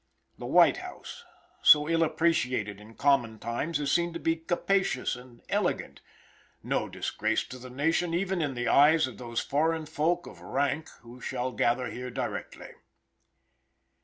The White House, so ill appreciated in common times, is seen to be capacious and elegant no disgrace to the nation even in the eyes of those foreign folk of rank who shall gather here directly.